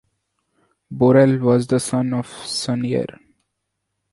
Borrell was the son of Sunyer.